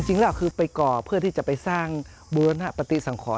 จริงแล้วคือไปก่อเพื่อที่จะไปสร้างบูรณปฏิสังขร